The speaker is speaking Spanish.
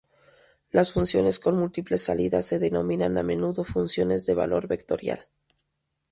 Las funciones con múltiples salidas se denominan a menudo funciones de valor vectorial.